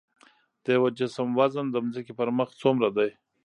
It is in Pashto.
د یو جسم وزن د ځمکې پر مخ څومره دی؟